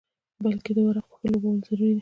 بلکې د ورقو ښه لوبول ضروري دي.